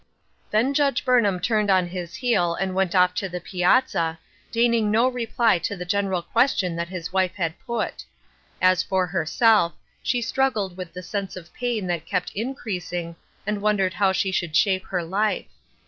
" Then Judge Burnham turned on his heel and went off to the piazza, deigning no reply to the general question that his wife had put. As for herself, she struggled with the sense of pain that kept increasing, and wondered how she should shape her life.